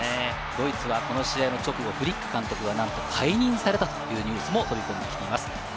ドイツはこの試合の直後、フリック監督を解任されたというニュースも入ってきています。